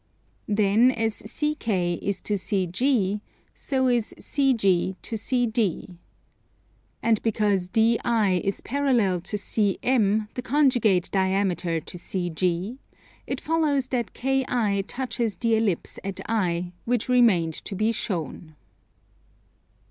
Then as CK is to CG so is CG to CD. And because DI is parallel to CM, the conjugate diameter to CG, it follows that KI touches the Ellipse at I; which remained to be shown.